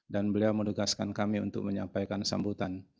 dan beliau menegaskan kami untuk menyampaikan sambutan